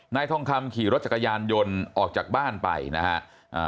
ทองคำขี่รถจักรยานยนต์ออกจากบ้านไปนะฮะอ่า